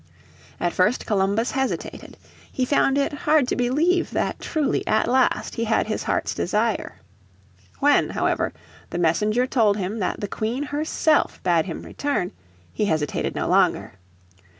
At first Columbus hesitated. He found it hard to believe that truly at last he had his heart's desire. When, however, the messenger told him that the Queen herself bade him return, he hesitated no longer.